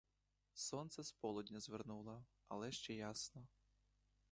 Сонце з полудня звернуло, але ще ясно.